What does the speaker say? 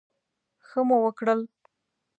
ښه مو وکړل.